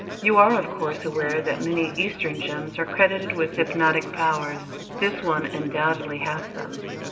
You are, of course, aware that many Eastern gems are credited with hypnotic powers. This one undoubtedly has them."